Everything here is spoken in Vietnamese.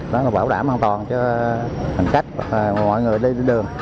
đó là bảo đảm an toàn cho hành khách và mọi người đi đường